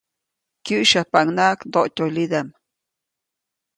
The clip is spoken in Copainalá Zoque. Kyäsyapaʼuŋnaʼak ndoʼtyolidaʼm.